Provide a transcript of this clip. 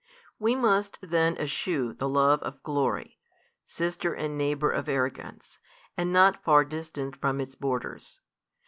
We must then eschew the love of glory, sister and neighbour of arrogance, and not far distant from its borders.